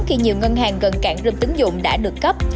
khi nhiều ngân hàng gần cảng rưm tín dụng đã được cấp